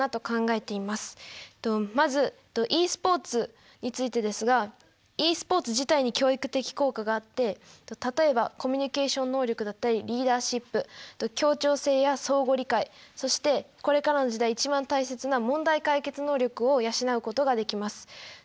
まずｅスポーツについてですがｅスポーツ自体に教育的効果があって例えばコミュニケーション能力だったりリーダーシップと協調性や相互理解そしてこれからの時代一番大切な問題解決能力を養うことができます。